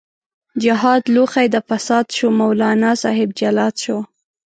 جهاد لوښی د فساد شو، مولانا صاحب جلاد شو